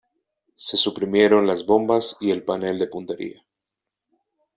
Se suprimieron las bombas y el panel de puntería.